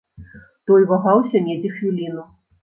Той вагаўся недзе хвіліну.